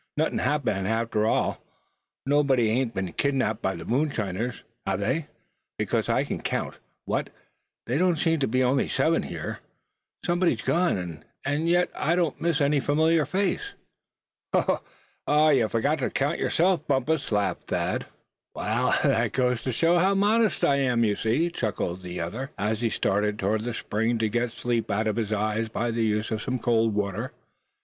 Nothin' happened, after all. Nobody ain't been kidnapped by the moonshiners, have they, because I can count what, there don't seem to be only seven here! Somebody's gone, and yet I don't miss any familiar face." "Oh! you only forgot to count yourself, Bumpus," laughed Thad. "Well, that goes to show how modest I am, you see," chuckled the other, as he started toward the spring to get the sleep out of his eyes by the use of some cold water.